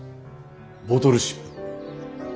ボトルシップ。